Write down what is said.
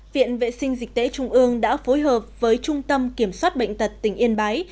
viện vệ sinh dịch tễ trung ương đã phối hợp với trung tâm kiểm soát bệnh tật tỉnh yên bái